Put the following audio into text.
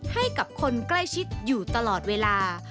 ให้กับคนใกล้ชิดอยู่ตลอดเวลา